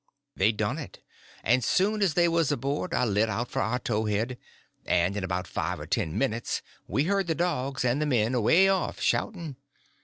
They done it, and soon as they was aboard I lit out for our towhead, and in about five or ten minutes we heard the dogs and the men away off, shouting.